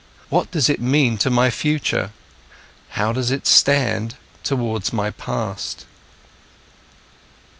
What does it mean to my future? How does it stand towards my past?"